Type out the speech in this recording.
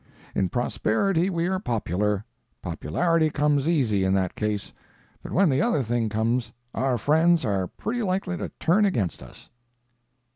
In prosperity we are popular; popularity comes easy in that case, but when the other thing comes our friends are pretty likely to turn against us."